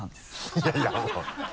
いやいやもう